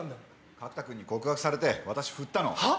角田君に告白されて私振ったのは？